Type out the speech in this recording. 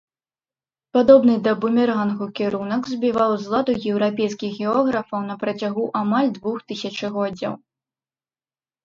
Падобны да бумерангу кірунак збіваў з ладу еўрапейскіх географаў на працягу амаль двух тысячагоддзяў.